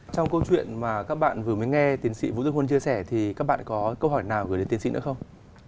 trong câu chuyện mà các bạn vừa mới nghe tiến sĩ vũ dương huân chia sẻ thì các bạn có câu hỏi nào gửi đến tiến sĩ nữa không